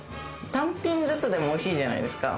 単品ずつでもおいしいじゃないですか。